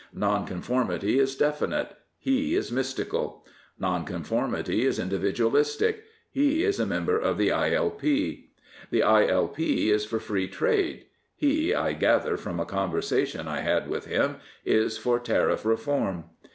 Nonconformity is definite; he is mystical. Nonconformity is indi vidualistic; he is a member of the I.L.P. The I.L.P. is for Free Trade; he, I gather from a conversation I had with him, is for Tariff Reform.